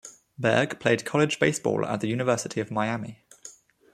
Berg played college baseball at the University of Miami.